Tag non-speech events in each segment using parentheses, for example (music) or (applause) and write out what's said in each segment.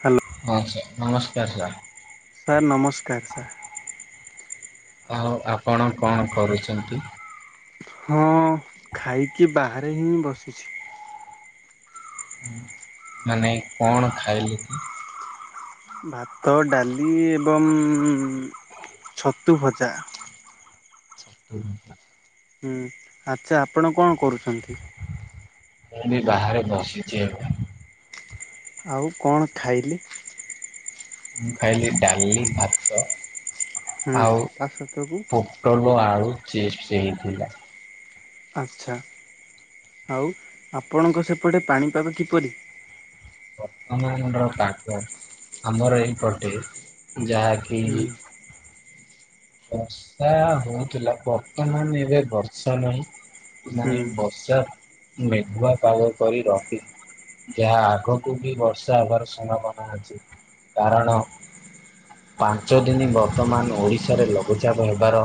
Hello ଆଚ୍ଛା ନମସ୍କାର sir. Sir ନମସ୍କାର ସାର୍। ଆଉ ଆପଣ କଣ କରୁଚନ୍ତି? ହଁ ଖାଇକି ବାହାରେ ହିଁ ବସିଛି। ହଁ ମାନେ କଣ ଖାଇଲେ କି? ଭାତ, ଡାଲି ଏବଂ ଛତୁ ଭଜା। ଛତୁ ଭଜା। ହୁଁ, ଆଚ୍ଛା ଆପଣ କଣ କରୁଛନ୍ତି? ମୁଁ ବି ବାହାରେ ବସିଛି ଏବେ। ଆଉ କଣ ଖାଇଲେ? ମୁଁ ଖାଇଲି ଡାଲି, ଭାତ ହୁଁ ଆଉ ତା ସତକୁ ପୋଟଳ ଆଳୁ ଚିପ୍ସ ହେଇଥିଲା। ଆଚ୍ଛା। ଆଉ ଆପଣଙ୍କ ସେପଟେ ପାଣିପାଗ କିପରି? (unintelligible) ମଣ୍ଡଳ କାଟ ଆମର ଏଇପଟେ ଯାହାକି ହୁଁ ବର୍ଷା ହଉଥିଲା। ବର୍ତ୍ତମାନ ଏବେ ବର୍ଷା ନାହିଁ। ହୁଁ ମାନେ ବର୍ଷା ମେଘୁଆ ପାଗ କରି ରଖିଛି। ଯାହା ଆଗକୁ ବି ବର୍ଷା ହବାର ସମ୍ଭାବନା ଅଛି। କାରଣ ପାଞ୍ଚ ଦିନ ବର୍ତ୍ତମାନ ଓଡ଼ିଶାରେ ଲଘୁଚାପ ହେବାର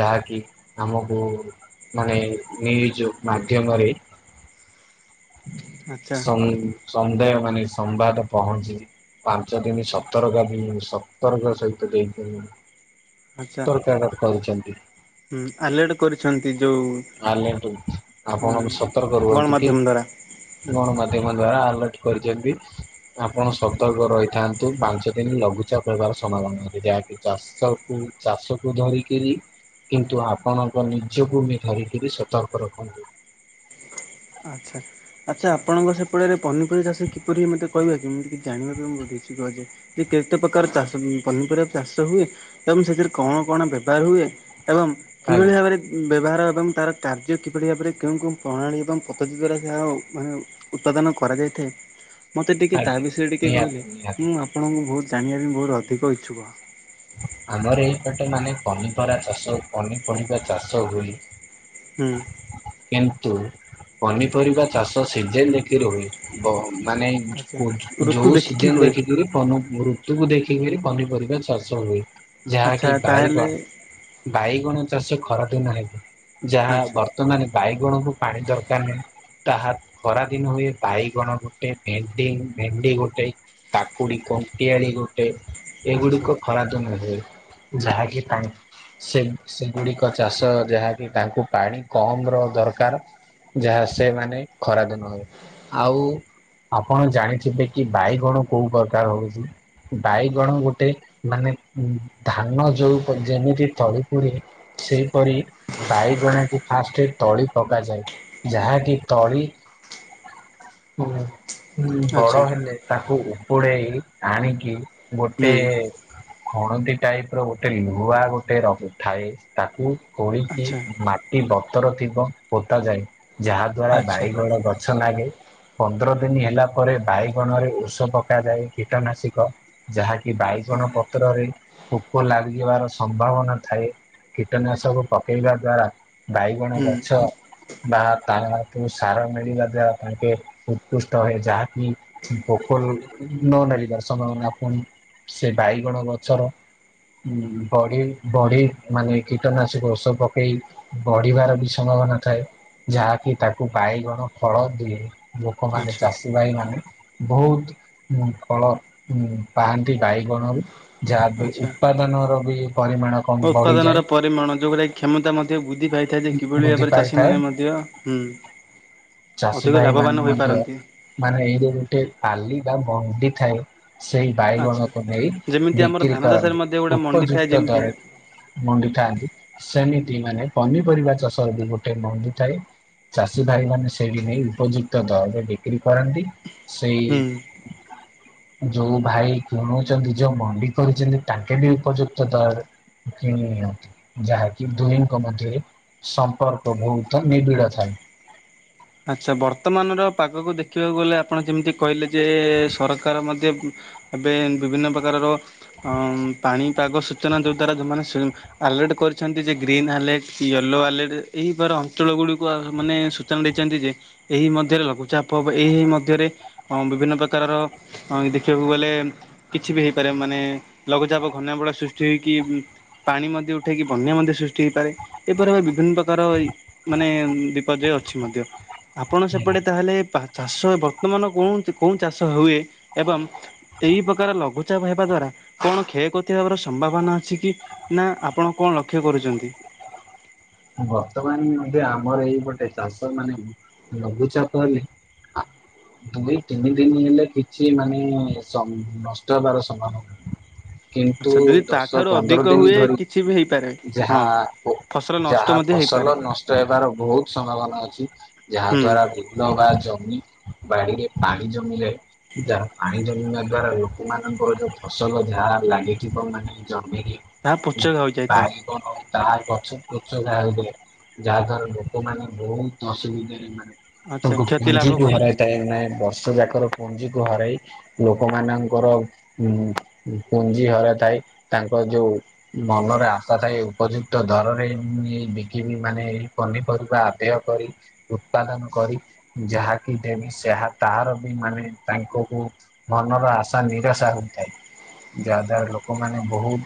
ଯାହାକି ଆମକୁ ମାନେ ନ୍ୟୁଜ୍ ମାଧ୍ୟମରେ ଆଚ୍ଛା ସନ୍ ସନ୍ଦେହ ମାନେ ସମ୍ବାଦ ପହଞ୍ଚିବି। ପାଞ୍ଚ ଦିନି ଆଚ୍ଛା ସତରକା ଦି ସତର୍କ ସହିତ ଦେଇଥିଲି। ଆଛା ହୁଁ ଆଲେର୍ଟ କରିଛନ୍ତି ଯୋଉ। ଆଲେର୍ଟ ହୁଁ ଆପଣ ବି ସତର୍କ ରୁହନ୍ତୁ କି ଗଣମାଧ୍ୟମ ଦ୍ଵାରା ଗଣ ମାଧ୍ୟମ ହବା ଦ୍ଵାରା ଆଲର୍ଟ କରିଛନ୍ତି ଆପଣ ସତର୍କ ରହିଥାନ୍ତୁ ପାଞ୍ଚ ଦିନ ଲଘୁଚାପ ହେବାର ସ ମ୍ଭାବନା ଯାହାକି ଚାଷକୁ ଚାଷକୁ ଧରିକିରି କିନ୍ତୁ ଆପଣଙ୍କ ନିଜକୁ ବି ଧରିକିରି ସତର୍କ ରଖନ୍ତୁ। ଆଚ୍ଛା ଆଚ୍ଛା ଆପଣଙ୍କ ସେପଟେରେ ପନିପରିବା ଚାଷ କିପରି ମତେ କହିବେ କି ମୁଁ ଟିକେ ଜାଣିବା ପାଇଁ ବହୁତ ଇଚ୍ଛୁକ। କି କେତେ ପ୍ରକାର ଚାଷ ପନିପରିବା ଚାଷ ହୁଏ ତମେ ସେଥିରେ କଣ କଣ ବ୍ୟବହାର ହୁଏ? ଏବଂ ଆଜ୍ଞା କିଭଳି ଭାବରେ ବ୍ୟବହାର ଏବଂ ତାର କାର୍ଯ୍ୟ କିଭଳି ଭାବରେ କେଉଁ କେଉଁ ପ୍ରଣାଳୀ ଏବଂ ପଦ୍ଧତି ଦ୍ଵାରା ଯାହା ହଉ ମାନେ ଉତ୍ପାଦନ କରାଯାଇଥାଏ। ମୋତେ ଟିକେ ତା ଆଜ୍ଞା ବିଷୟରେ ଟିକେ ନିହାତି କହିଲେ ନିହାତି ମୁଁ ଆପଣଙ୍କୁ ବହୁତ ଜାଣିବା ପାଇଁ ବହୁତ ଅଧିକ ଇଚ୍ଛୁକ। ଆମର ଏଇପଟେ ମାନେ ପନିପରା ଚାଷ ପନିପରିବା ଚାଷ ହୁଏ। ହୁଁ। କିନ୍ତୁ ପନିପରିବା ଚାଷ ସିଜିନ୍ ଦେଖିକି ହୁଏ ଏବଂ ମାନେ ଆଚ୍ଛା ଋତୁ ଯୋଉ ଦେଖିକି ସିଜନ୍ ହୁଏ ଦେଖିକିରି (unintelligible) ଦେଖିକିରି ପନିପରିବା ଚାଷ ହୁଏ ଆଚ୍ଛା ଯାହାକି ତାହେଲେ (unintelligible) ବାଇଗଣ ଚାଷ ଖରା ଦିନ ହେଇଥାଏ ଯାହା ଆଚ୍ଛା ବର୍ତ୍ତମାନ ବାଇଗଣକୁ ପାଣି ଦରକାର ନାହିଁ। ତାହା ଖରାଦିନ ହୁଏ ବାଇଗଣ ଗୋଟେ ଭେଣ୍ଡି ଭେଣ୍ଡି ଗୋଟେ। କାକୁଡି କଣ୍ଟିଆଳି ଗୋଟେ ଆଚ୍ଛା ଏଗୁଡିକୁ ଖରା ଦିନରେ ହୁଏ ଯାହାକି ପାଣି ସେ ସେଗୁଡିକ ଚାଷ ଯାହାକି ତାଙ୍କୁ ପାଣି କମ୍ ର ଦରକାର। ଯାହା ସେମାନେ ଖରାଦିନ ହୁଏ ଆଉ ଆପଣ ଜାଣିଥିବେ କି ବାଇଗଣ କୋଉ ପ୍ରକାର ହଉଛି? ବାଇଗଣ ଗୋଟେ ମାନେ ଧାନ ଯୋଉ ଯେମିତି ତଳି ପଡ଼େ ସେହିପରି ବାଇଗଣକୁ ଫାଷ୍ଟ ତଳି ପକାଯାଏ ଯାହାକି ତଳି ହୁଁ। ବଡ ଆଚ୍ଛା ହେଲେ ତାକୁ ଉପୁଡେଇ ଆଣିକି ଗୋଟେ ହୁଁ ଖଣଦୀ ଟାଇପ ର ଗୋଟେ ଲୁହା ଗୋଟେ ରହୁ ଥାଏ ତାକୁ ଖୋଳିକି ଆଚ୍ଛା ମାଟି ବତର ଥିବ ପୋତା ଯାଏ। ଯାହା ଦ୍ଵାରା ଆଚ୍ଛା। ବାଇଗଣ ଗଛ ଲାଗେ। ପନ୍ଦର ଦିନି ହେଲା ପରେ ବାଇଗଣରେ ଓଷ ପକାଯାଏ କୀଟାନାଶିକ ଯାହାକି ଆଚ୍ଛା ବାଇଗଣ ପତ୍ରରେ ପୋକ ଲାଗିବାର ସମ୍ଭାବନା ଥାଏ। କୀଟନାଶକୁ ପକେଇବା ଦ୍ଵାରା ବାଇଗଣ ହୁଁ ଗଛ ବା ତା କୁ ସାର ମିଳିବା ଦ୍ଵାରା ତାଙ୍କେ ଉତ୍କୃଷ୍ଟ ହୁଏ ଯାହାକି ପୋକ ନ ନେବ ଦର୍ଶନପଣ ସେ ଭାଇଗଣ ଗଛର ବଢି ବଢି ମାନେ କୀଟନାଶକ ଔଷଧ ପକେଇ ବଢିବାର ବିଷଣ ନଥାଏ ଯାହାକି ତାକୁ ବାଇଗଣ ଫଳ ଦିଏ। ଲୋକମାନେ ଆଚ୍ଛା ଚାଷୀ ଭାଇ ମାନେ ବହୁତ ଫଳ ଉ ପାଆନ୍ତି ବାଇଗଣରୁ ଯାଦ ଉତ୍ପାଦନ ରବି ଉତ୍ପାଦନ ର ପରିମାଣ ଯୋଉଗୁରାକି କ୍ଷମତା ମଧ୍ୟ ବୃଦ୍ଧି ପାଇଥାଏ ଯେ କିଭଳି ବୃଦ୍ଧି ଭାବରେ ଚାଷୀ ପାଇଥାଏ ମାନେ ମଧ୍ୟ ହୁଁ। ଚାଷୀ ଅଧିକ ଭାଇ ଲାଭବାନ ମାନେ ମଧ୍ୟ ହୋଇପାରନ୍ତି ମାନେ ଏଇଜଉ ଗୋଟେ। ପାଲି ବା ମଣ୍ଡି ଥାଏ ସେଇ ଆଚ୍ଛା। ବାଇଗଣକୁ ନେଇ ଯେମିତି ଆମର ବିକ୍ରି ଧାନ ଚାଷରେ କରନ୍ତି ମଧ୍ୟ ଗୋଟେ ମଣ୍ଡି ଥାଏ ଉପଯୁକ୍ତ ଯେମିତି ଦରରେ ମୁଣ୍ଡି ଥାଆନ୍ତି। ସେମିତି ମାନେ ପନିପରିବା ଚାଷ ବି ଗୋଟେ ମଣ୍ଡି ଥାଏ। ଚାଷୀଭାଇ ମାନେ ସେଇଠି ନେଇ ଉପଯୁକ୍ତ ଦରରେ ବିକ୍ରି କରନ୍ତି। ସେଇ ହୁଁ। ଯୋଉ ଭାଇ କିଣୁଛନ୍ତି ଯୋଉ ମ ବି, କରିଛନ୍ତି ତାଙ୍କେ ବି ଉପଯୁକ୍ତ ଦରରେ କିଣି ନିଅନ୍ତି। ଯାହାକି ଦୁହିଁଙ୍କ ମଧ୍ୟରେ, ସମ୍ପର୍କ ବହୁତ ନିବିଡ ଥାଏ। (inaudible) ଆଚ୍ଛା ବର୍ତ୍ତମାନର ପାଗକୁ ଦେଖିବାକୁ ଗଲେ, ଆପଣ ଯେମିତି କହିଲେ, ଯେ ସରକାର ମଧ୍ୟ ଏବେ ବିଭିନ୍ନ ପ୍ରକାରର, ଅଁ ପାଣିପାଗ ସୂଚନା ଯୋଉ ଦ୍ଵାରା ଯଉମାନେ ସି-ଅଲ୍ ଗୋଟେ କରିଛନ୍ତି ଗ୍ରୀନ୍ ଆଲେର୍ଟ, ୟେଲୋ ଆଲେର୍ଟ, ଏହି ଦ୍ୱାରା ଅଞ୍ଚଳ ଗୁଡିକୁ ମାନେ ସୁଚନା ଦେଇ କେମିତି ଯେ, ଏହି ମଧ୍ୟରେ ଲଘୁଚାପ ହବ, ଏହି ମଧ୍ୟରେ, ଅଁ ବିଭିନ୍ନ ପ୍ରକାରର ଅଁ ଦେଖି ବାକୁ ଗଲେ, କିଛି ବି ହେଇପାରେ। ମାନେ ଲଘୁଚାପ ଘନ୍ୟା ବଳ ସୃଷ୍ଟି ହେଇକି ଉଁ ପାଣି ମଧ୍ୟ ଉଠେଇକି ବନ୍ୟା ମଧ୍ୟ ସୃଷ୍ଟି ହେଇପାରେ। ଏ ପରି ବିଭିନ୍ନ ପ୍ରକାର, ଏଇ ମାନେ ବିପର୍ଯୟ ଅଛି ମଧ୍ୟ। ଆପଣ ଆଜ୍ଞା। ସେପଟେ ତାହେଲେ ପା ଚାଷ ବର୍ତ୍ତମାନ କଉଁ ଚ୍- କୋଉଁ ଚାଷ ହୁଏ? ଏବଂ ଏହି ପ୍ରକାର ଲଘୁଚାପ ହେବା ଦ୍ଵାରା କଣ କ୍ଷୟକ୍ଷତି ହେବାର ସମ୍ଭାବନା ଅଛି କି? ନା ଆପଣ କଣ ଲକ୍ଷ୍ୟ କରୁଛନ୍ତି? (inaudible) ବର୍ତ୍ତମାନ ମଧ୍ୟ ଆମର ଏଇପଟେ ଚାଷ ମାନେ, ଲଘୁଚାପ ହେଲେ (inaudible) ଦୁଇ, ତିନି ଦିନ ହେଲେ କିଛି ମାନେ ସ- ନଷ୍ଟ ହେବାର ସମ୍ଭାବନା ନଥାଏ। କିନ୍ତୁ ଆଚ୍ଛା ଯଦି ଦଶ, ତାଠାରୁ ପନ୍ଦର ଅଧିକ ଦିନି ହୁଏ ଧରି, କିଛି ବି ହେଇପାରେ ଯାହା ହଁ। ଫସଲ ନଷ୍ଟ ଯାହା ମଧ୍ୟ ହେଇପାରେ ଫସଲ ନଷ୍ଟ ହେବାର ବହୁତ ସମ୍ଭାବନା ଅଛି। ଯାହା ହୁଁ ଦ୍ଵାରା ବିଲ ବା ଜମି ବାଡିିରେ ପାଣି ଜମିଲେ ଯାହା ପାଣି ଜମିବା ଦ୍ଵାରା, ଲୋକମାନଙ୍କର ଯୋଉ ଫସଲ, ଯାହା ଲାଗିଥିବ ମାନେ ଯ ତାହା ପୋଚକ ଆଜ୍ଞା। ହୋଇଯାଇଥାଏ। ବାଇଗଣ ତା ପଛକୁ ପଛ ଗାଳି ଦିଏ, ଯାହା ଦ୍ଵାରା ଲୋକମାନେ ବହୁତ ଅସୁବିଧାରେ ମାନେ ଆଚ୍ଛା ତାକୁ କ୍ଷତି ଲାଭ ପୁଞ୍ଜିକୁ କରିଥାନ୍ତି। ହରାଇଥାଏ। ନାଇଁ ବର୍ଷ ଯାକର ପୁଞ୍ଜିକୁ ହରାଇ ଲୋକମାନଙ୍କର ଉଁ, ପୁଞ୍ଜି ହରା ଥାଏ। ତାଙ୍କ ଯୋଉ ମନରେ ଆଶା ଥାଏ ଉପଯୁକ୍ତ ଦରରେ ମୁଁ ଏ ବିକିବି ମାନେ, ଏଇ ପନିପରିବା ଆଦେୟ କରି, ଉତ୍ପାଦନ କରି ଯାହା କି ଦେମି ସେହା, ତାହାର ବି ମାନେ ତାଙ୍କକୁ ମନର ଆଶା ନିରାଶା ହୋଇଥାଏ। ଯାହାଦ୍ଵାରା ଲୋକମାନେ ବହୁତ,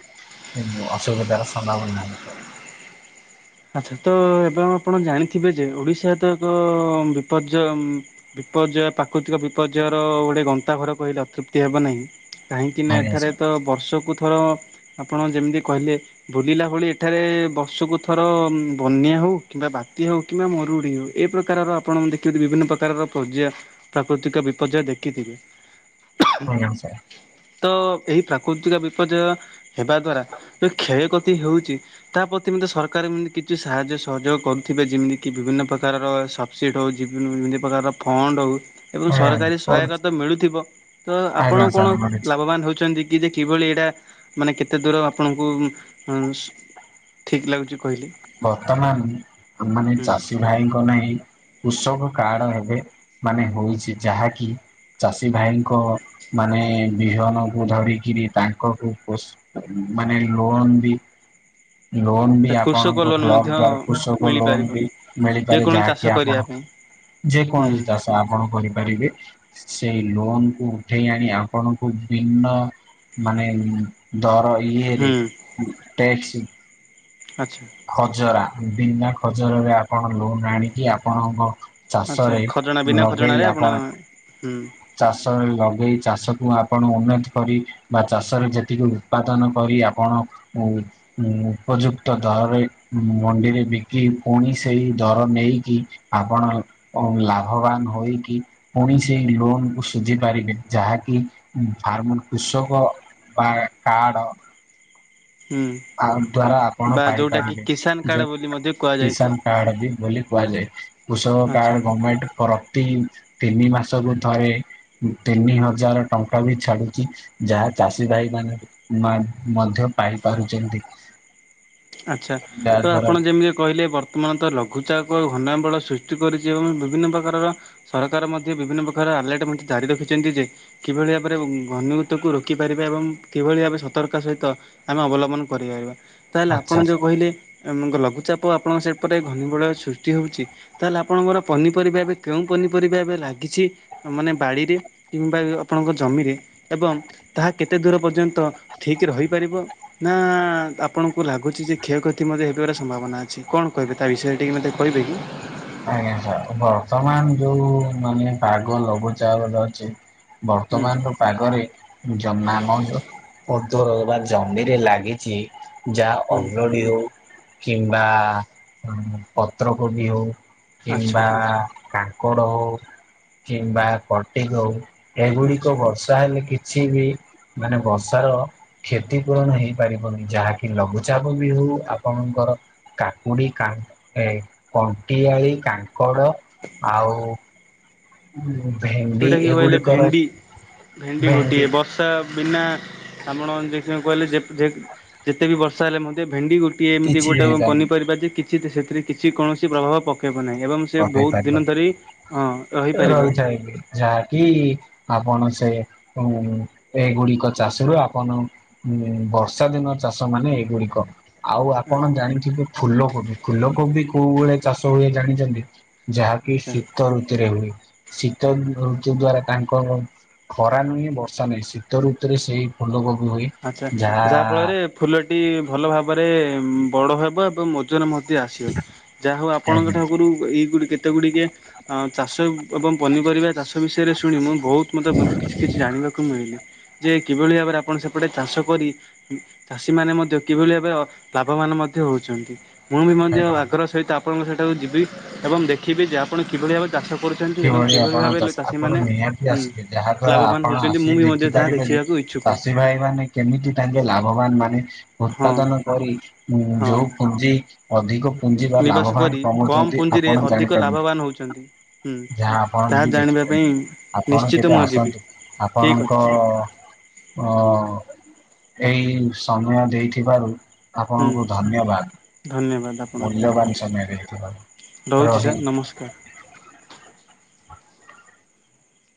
ଉଁ ଅସୁବିଧାର ସମ୍ଭାବନା ହୋଇଥାଏ। ଆଛା ତ ଏବେ ଆପଣ ଜାଣିଥିବେ ଯେ, ଓଡିଶା ତ ଏକ ବିପର୍ଯ୍ୟୟ ଉଁ- ବି ପର୍ଯ୍ୟୟ ପ୍ରାକୃତିକ ବିପର୍ଯ୍ୟୟ ର, ଗୋଟେ ଗନ୍ତାଘର କହିଲେ ଅତୃପ୍ତି ହେବ ନାହିଁ। କାହିଁକି ନା ଆଜ୍ଞା ଏଠାରେ ସାର୍ ତ ବର୍ଷକୁ ଆପଣ। ଆପଣ ଯେମି ତି କହିଲେ, ବୁଲିଲା ଭଳି ଏଠାରେ ବର୍ଷୁକୁ ଥ ଥର ବନ୍ୟା ହେଉ କିମ୍ବା ବାତିଆ ହେଉ କିମ୍ବା ମରୁଡ଼ି ହେଉ, ଏ ପ୍ରକାରର ଆପଣ ଦେଖି ଥିବେ ବିଭିନ୍ନ ପ୍ରକାରର ପର୍ଯ୍ୟାୟା, ପ୍ରାକୃତିକ ବିପର୍ଯ୍ୟୟ ଦେଖିଥିବେ। ହଁ ନିଶ୍ଚୟ। ତ ଏହି ପ୍ରାକୃତିକା ବିପର୍ଯ୍ୟୟ ହେବା ଦ୍ଵାରା, ଯୋଉ କ୍ଷୟକତି ହେଉଚି। ତା ପ୍ରତି ମଧ୍ଯ ସର କାର, ଏମିତି କିଛି ସାହାଯ୍ୟ, ସହଯୋଗ କରୁଥିବେ। ଯେମିତିକି ବିଭିନ୍ନ ପ୍ରକାରର ସପ୍ ସିଡି ହୋଉଚି ବି- ବିଭିନ୍ନ ପ୍ରକାରର ଫଣ୍ଡ ହୋଉ ଏବଂ ଆଜ୍ଞା ସରକାରୀ ସହାୟକ କରୁଛି ତ ମିଳୁଥିବ। ତ ଆପଣ ଆଜ୍ଞା କଣ, ସାର୍ କରୁଛି। ଲାଭବାନ ହେଉଚନ୍ତି? କି ଯେ କିଭଳି ଏଇଟା, ମାନେ କେତେ ଦୂର ଆପଣଙ୍କୁ, ଉଁ- ସ୍-ଠିକ୍ ଲାଗୁଚି? ବର୍ତ୍ତମାନ ଆମାନେ ହୁଁ ଚାଷୀ ଭାଇଙ୍କ ନେଇ, କୃଷକ କାର୍ଡ ହେବେ, ମାନେ ହୋଉଛି, ଯାହାକି ଚାଷୀ ଭାଇଙ୍କ, ମାନେ ବିହନ କୁ ଧରିକିରି ତାଙ୍କକୁ ପୋଷ୍ ମାନେ ଲୋନ ବି, ଲୋନ ବି ଆପ୍ କୃଷକ ବ୍କକ ଲୋନ୍ ମଧ୍ୟ ଦ୍ଵାରା କୃଷକ ଲୋନ ମିଳିପାରିବ ବି ମିଳିପାରି ଯେକୌଣସି ଯାଏ, ଚାଷ ଯାହାକି କରିବା ଆପଣ ପାଇଁ ଯେ ହୁଁ କୌଣସି ଚାଷ ଆପଣ କରିପାରିବେ। ସେହି ଲୋନ କୁ ଉଠେଇ ଆଣି ଆପଣଙ୍କୁ ବିଭିନ୍ନ, ମାନେ ଦର ଇଏରେ, ହୁଁ ଉଁ- ଟ୍ୟାକ୍ସି ଆଚ୍ଛା ଖଜରା, ବିନା ଖଜରରେ, ଆପଣ ଲୋନ୍ ଆଣିକି ଆପଣଙ୍କ ଆଚ୍ଛା ଚାଷରେ ଖଜଣା ବିନା ଲଗେଇ ଖଜଣାରେ ଆପଣ ହୁଁ ଚାଷ ଲଗେଇ ଚାଷକୁୁ ଆପଣ ଉନତି କରି ବା ଚାଷରେ ଯେତିକି ଉତ୍ପାଦନ କରି ଆପଣ ଉ ଉପଯୁକ୍ତ ଦରରେ ମଣ୍ଡିରେ ବିକି ପୁଣି ସେଇ ଦର ନେଇକି ଆପଣ ଲାଭବାନ ହୋଇକି ପୁଣି ସେ ଲୋନକୁ ସୁଝି ପାରିବେ ଯାହାକି ଫାର୍ମ କୃଷଭ ବା କାଡ଼ ହୁଁ ଆ ଦ୍ଵାରା ଆପଣ ବା ଯୋଉଟାକି ପାଇପାରିବେ କିଷାନ ଯେ କାର୍ଡ଼ ବୋଲି ମଧ୍ୟ କୁହାଯାଇଥାଏ କିଷାନ କାର୍ଡ ବି ବୋଲି କୁହାଯାଏ। କୃଷକ ଆଚ୍ଛା କାର୍ଡ ଗର୍ମେଣ୍ଟ ରତି ତିନି ମାସକୁୁ ଥରେ ତିନି ହଜାର ଟଙ୍କା ବି ଛାଡୁଛି ଯାହା ଚାଷୀ ଭାଇ ମଧ୍ୟ ପାଇ ପାରୁଛନ୍ତି। ଆଛା ତ ଆପଣ ଯେମିତି କହିଲେ ବର୍ତ୍ତମାନ ତ ଲଘୁଚାପ ଘନା ବଳ ସୃଷ୍ଟି କରିଛି ଏବଂ ବିଭିନ୍ନ ପ୍ରକାରର ସରକାର ମଧ୍ୟ ବିଭିନ୍ନ ପ୍ରକାର ଆଲର୍ଟ ମଧ୍ୟ ଜାରି ରଖିଛନ୍ତି। କିଭଳି ଭାବରେ ଘନି ଭୂତକୁ ରୋକିପାରିବେ ଏବଂ କିଭଳି ଭାରେ ସତର୍କ ସହିତ ଆମେ ଅବଲମ୍ବ କଣ କରିପାରିବା ତାହେଲେ ଆପଣ ଆଚ୍ଛା ଯୋଉ ସାର୍। କହିଲେ ଆପଣଙ୍କ ଲଘୁଚାପ ଆପଣଙ୍କ ସେପଟେ ଘନୀବଳୟ ସୃଷ୍ଟି ହେଉଛି, ତାହେଲେ ଆପଣଙ୍କର ପନିପରିବା ଏବେ କେଉଁ ପରିବା ଏବେ ଲାଗିଚି, ଆଉ ମାନେ ବାଡ଼ିରେ କିମ୍ବା ଆପଣଙ୍କ ଜମିରେ ଏବଂ ତାହା କେତେ ଦୂର ପର୍ଯ୍ୟନ୍ତ ଠିକ୍ ରହିପାରିବ ନା ଆପଣଙ୍କୁ ଲାଗୁ କ୍ଷୟକ୍ଷତି ମଧ୍ୟ ହେଇଯିବାର ସମ୍ଭାବନା ଅଛି, କଣ କହିବେ ତା ବିଷୟରେ ଟିକେ ମତେ କହିବେ କି? ଆଜ୍ଞା ସାର୍, ବର୍ତ୍ତମାନ ଯେଉଁ ମାନେ ପାଗ ଲଘୁଚାପରେ ଅଛି। ହୁଁ ବର୍ତ୍ତମାନର ପାଗରେ ଜମା (unintelligible) ତର ଅବା ଜମିରେ ଲାଗିଛି ଯାହା ହୁଁ ଅଲଡି ହଉ, କିମ୍ବା ଆ ପତ୍ରକୋବି ହଉ ଆଚ୍ଛା କିମ୍ବା ଆ କାଙ୍କଡ ହଉ କିମ୍ବା କଟିଙ୍ଗ ହଉ ଏଗୁଡିକ ଆଚ୍ଛା ବର୍ଷା ହେଲେ କିଛି ଯିବି ମାନେ ବର୍ଷାର କ୍ଷତି ପୂରଣ ହେଇପାରିବନି। ଯାହାକି ଲଘୁଚାପ ବି ହଉ ଆପଣଙ୍କର କାକୁଡି, କା, ଏ, କଣ୍ଟିଆଳି, କାଙ୍କଡ, ଆଉ ହୁଁ। (unintelligible) ଯେଉଁଟାକି କହିଲେ ଭେଣ୍ଡି। ଭେଣ୍ଡି ଗୋଟିଏ ବର୍ଷା ବିନା ଆପଣ ଯେ ପାଇଁ କହିଲେ ଯେ ଯେ ଯେତେ ବି ବର୍ଷା ହେଲେ ମଧ୍ୟ ଭେଣ୍ଡି ଗୋଟ ପିଇ ଏମିତି କିଛି ଗୋଟେ ହେଇପାରୁନି ପନିପରିବା ଯେ କିଛି ସେଥିରେ କିଛି କୌଣସି ପ୍ରଭାବ ପକେଇବ। ନାହିଁ। ଏବଂ ସେ ପକେଇ ବହୁତ ପାରିବ ଦିନ ଧରି ହଁ ରହିପାରିବ। ରହିଥାଏ ଯାହାକି ଆପଣ ସେ ଉ ଏଗୁଡିକ ଚାଷରୁ ଆପଣ ହୁଁ ବର୍ଷା ଦିନ ଚାଷ ମାନେ ଏଗୁଡିକ। ଆଉ ଆପଣ ଆଚ୍ଛା ଜାଣିଥିବେ ଫୁଲ କୋବି ଫୁଲ କୋବି କୋଉବେଳେ ଚାଷ ହୁଏ ଜାଣିଛନ୍ତି? ଯାହାକି ଆଚ୍ଛା ଶୀତ ଋତୁରେ ହୁଏ ଶୀତ ଋତୁ ଦ୍ଵାରା ତାଙ୍କ ଖରା ନୁହେଁ ବର୍ଷା ନୁହିଁ ଶୀତ ଋତୁରେ ସେଇ ଫୁଲ କୋ ଆଛା ଯାହା ଫଳରେ ଫୁଲଟି ଭଲ ଭାବରେ ବଡ ହେବ ଏବଂ ଓଜନ ମ ଯେ ଆସିବ ଯାହା ହଉ ଆପଣଙ୍କ ଆଜ୍ଞା ଠାକୁରୁ ଏଇଗୁଡ଼ି କେତେ ଗୁଡିକେ ଆଁ ଚାଷ ଏବଂ ପନିପରିବା ଚାଷ ବିଷୟରେ ଶୁଣି ମୁଁ ବହୁତୁ ମତେ କିଛି କିଛି ଜାଣିବାକୁ ମିଳି ଯେ କିଭଳି ଭାବରେ ଆପଣ ସେ ସେପଟେ ଚାଷ କରି ଚାଷୀ ମାନେ ମଧ୍ୟ କିଭଳି ଭାବବେ ଲାଭବାନ ମଧ୍ୟ ହଉଛନ୍ତି। ମୁଁ ବି ମଧ୍ୟ ଆଜ୍ଞା। ଆଗ୍ରହ ସହିତ ଆପଣଙ୍କ ସେଠାକୁ ଯିବି ଏବଂ ଦେଖିବି ଯେ ଆପଣ କିଭଳି ଭାବ କିଭଳି ଆପଣ ଆପଣ ନିହାତୀ ହୁଁ ଆସିବେ ଯାହା ଦ୍ଵାରା ଲାଭବାନ ଆପଣ ହେଉଛନ୍ତି ମୁଁ ଆସିି ବି ମଧ୍ୟ ତାହା ଦେଖିପାରିବେ ଦେଖିବାକୁ ଇଚ୍ଛୁକ ଚାଷୀ ଭାଇ ମାନେ କେମିତି ତାଙ୍କେ ଲାଭବାନ ମାନେ ହଁ। ଉତ୍ପାଦନ କରି ଉ ହଁ ଯୋଉ ପୁଞ୍ଜି ଅଧିକ ପୁଞ୍ଜି ବା ନିବାସ ଲାଭବାନ କରି କମ୍ କମଉଛନ୍ତି ପୁଞ୍ଜିରେ ଆପଣ ଅଧିକ ଜାଣିପାରିବେ। ଲାଭବାନ ହେଉଛନ୍ତି। ହୁଁ ଯାହା ଆପଣ ତାହା ବି ଜାଣିବା ପାଇଁ ଦେଖିପାରିବେ ଆପଣ ନିଶ୍ଚିତ କେବେ ମୁଁ ଯିବି ଆସନ୍ତୁ ଠିକ୍ ଆପଣଙ୍କ ଅଛି ସାର୍। ଅ ଏଇ ସମୟ ଦେଇଥିବାରୁ ହୁଁ ଆପଣଙ୍କୁ ଧନ୍ୟବାଦ ଧନ୍ୟବାଦ ଆପଣଙ୍କୁ ମଧ୍ୟ ମୂଲ୍ୟବାନ ସମୟରେ ଦେଇଥିବାରୁ। ରହୁଛି ରହିଲି। ସାର୍ ନମସ୍କାର। (inaudible)